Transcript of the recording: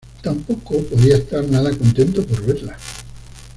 Tampoco podía estar nada contento por verla.